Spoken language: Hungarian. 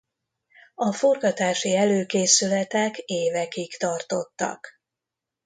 A forgatási előkészületek évekig tartottak.